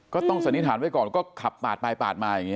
สันนิษฐานไว้ก่อนก็ขับปาดไปปาดมาอย่างนี้